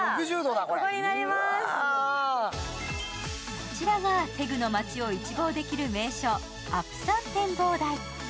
こちらがテグの街を一望できる名所・アプ山展望台。